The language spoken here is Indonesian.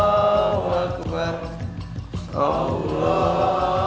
akbar allah akbar allah akbar allah